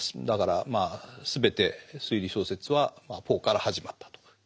だからまあ全て推理小説はポーから始まったと。